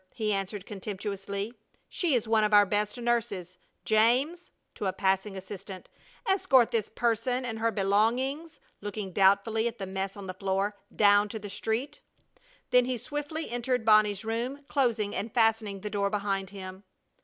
he answered, contemptuously. "She is one of our best nurses! James!" to a passing assistant, "escort this person and her belongings" looking doubtfully at the mess on the floor "down to the street!" Then he swiftly entered Bonnie's room, closing and fastening the door behind him.